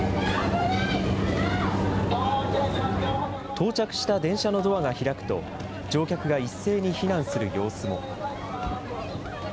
到着した電車のドアが開くと、乗客が一斉に避難する様子も。